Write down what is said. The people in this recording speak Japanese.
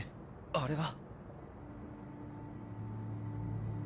あれは。